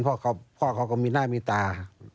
พ่อเขาก็มีหน้ามีตา